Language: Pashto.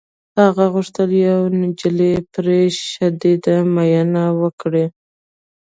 هغه غوښتل یوه نجلۍ پرې شدیده مینه وکړي